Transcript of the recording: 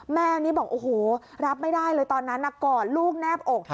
แม่นี่บอกโอ้โหรับไม่ได้เลยตอนนั้นกอดลูกแนบอก